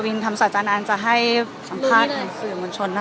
กวินธรรมศาจานันทร์จะให้สัมภาษณ์กับสื่อมวลชนค่ะ